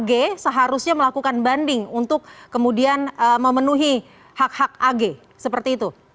ag seharusnya melakukan banding untuk kemudian memenuhi hak hak ag seperti itu